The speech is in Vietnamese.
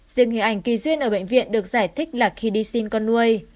riêng hình ảnh kỳ duyên ở bệnh viện được giải thích là khi đi xin con nuôi